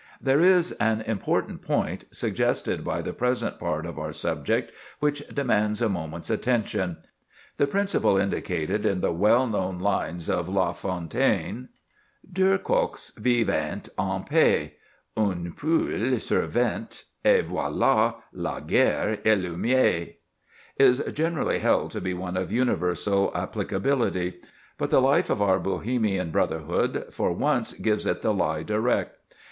There is an important point, suggested by the present part of our subject, which demands a moment's attention. The principle indicated in the well known lines of Lafontaine— "Deux coqs vivaient en paix: une poule survint, Et voilà la guerre allumée!"— is generally held to be one of universal applicability. But the life of our Bohemian brotherhood for once gives it the lie direct.